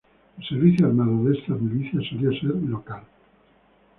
El servicio armado de estas milicias solía ser local.